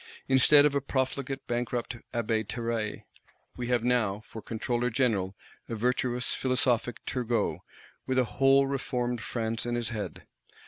Instead of a profligate bankrupt Abbé Terray, we have now, for Controller General, a virtuous philosophic Turgot, with a whole Reformed France in his head.